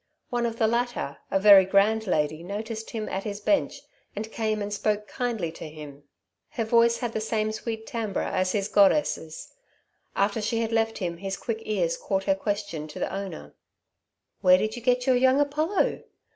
One of the latter, a very grand lady, noticed him at his bench and came and spoke kindly to him. Her voice had the same sweet timbre as his goddess's. After she had left him his quick ears caught her question to the Owner: "Where did you get your young Apollo?